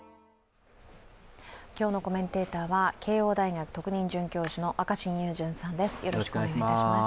今日のコメンテーターは慶応大学特任准教授の若新雄純さんです。